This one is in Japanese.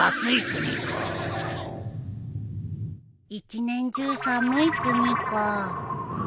一年中寒い国か。